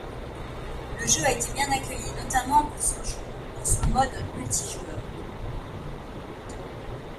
Le jeu a été bien accueilli, notamment pour son mode multijoueur.